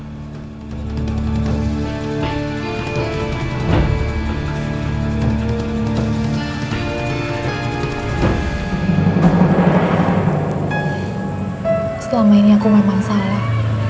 selama ini aku memang salah